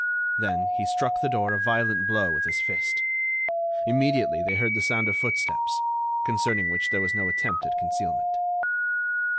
Then he struck the door a violent blow with his fist. Immediately they heard the sound of footsteps, concerning which there was no attempt at concealment.